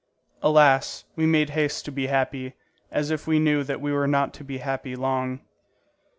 Alas, we made haste to be happy, as if we knew that we were not to be happy long.